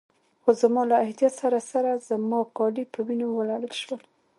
خو زما له احتیاط سره سره زما کالي په وینو ولړل شول.